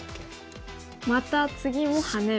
また次もハネる。